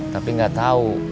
tapi nggak tahu